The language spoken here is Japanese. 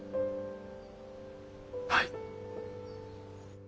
はい！